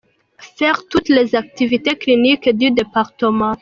Faire toutes les activités cliniques du département ;.